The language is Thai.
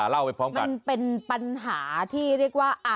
แล้วฟังคุณชิคสา้าให้พร้อมกัน